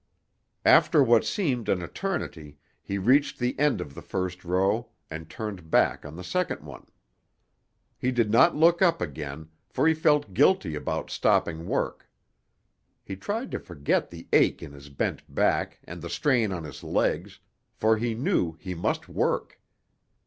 After what seemed an eternity, he reached the end of the first row and turned back on the second one. He did not look up again, for he felt guilty about stopping work. He tried to forget the ache in his bent back and the strain on his legs, for he knew he must work.